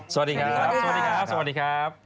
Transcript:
สวัสดีครับสวัสดีครับ